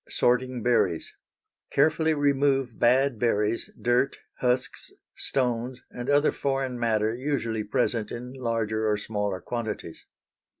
Sorting Berries. Carefully remove bad berries, dirt, husks, stones, and other foreign matter usually present in larger or smaller quantities.